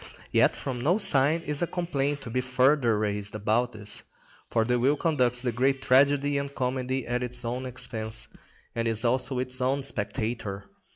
Yet from no side is a complaint to be further raised about this; for the will conducts the great tragedy and comedy at its own expense, and is also its own spectator.